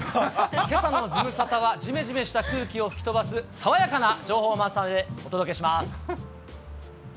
けさのズムサタはじめじめした空気を吹き飛ばす爽やかな情報満載でお届けします。